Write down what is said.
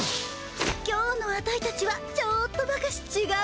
今日のアタイたちはちょっとばかしちがうんだよ。